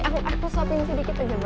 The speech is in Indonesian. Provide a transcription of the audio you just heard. aku sopin sedikit aja buat